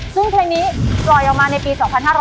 ซึ่งเพลงนี้ปล่อยออกมาในปี๒๕๕๙